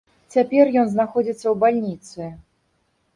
Цяпер ён знаходзіцца ў бальніцы.